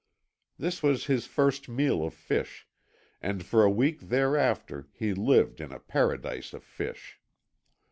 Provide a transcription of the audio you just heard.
This was his first meal of fish, and for a week thereafter he lived in a paradise of fish.